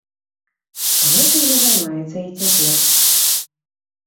Гэтым жа займаецца і цяпер.